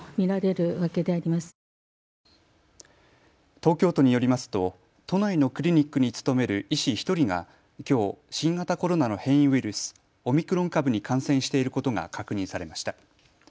東京都によりますと都内のクリニックに勤める医師１人がきょう、新型コロナの変異ウイルス、オミクロン株に感染していることが確認されました。